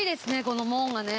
この門がね。